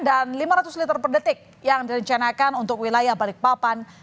dan lima ratus liter per detik yang direncanakan untuk wilayah balikpapan